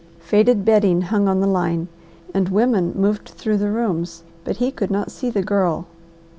Faded bedding hung on the line and women moved through the rooms, but he could not see the Girl.